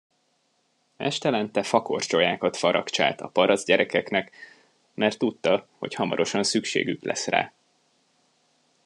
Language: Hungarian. Estelente fakorcsolyákat faragcsált a parasztgyerekeknek, mert tudta, hogy hamarosan szükségük lesz rá.